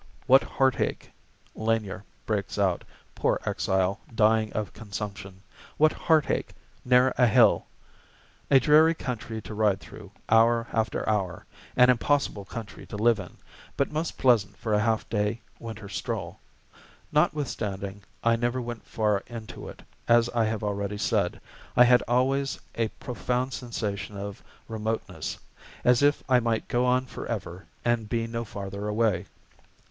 "What heartache," Lanier breaks out, poor exile, dying of consumption, "what heartache! Ne'er a hill!" A dreary country to ride through, hour after hour; an impossible country to live in, but most pleasant for a half day winter stroll. Notwithstanding I never went far into it, as I have already said, I had always a profound sensation of remoteness; as if I might go on forever, and be no farther away.